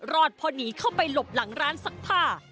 พอหนีเข้าไปหลบหลังร้านซักผ้า